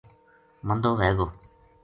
مندو وھے گو ؟